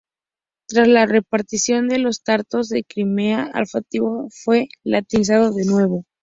Tras la repatriación de los tártaros de Crimea, el alfabeto fue latinizado de nuevo.